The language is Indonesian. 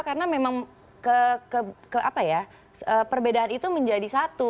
karena memang ke apa ya perbedaan itu menjadi satu